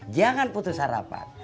jangan putus harapan